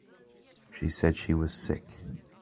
She said she was sick.